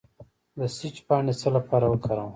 د سیج پاڼې د څه لپاره وکاروم؟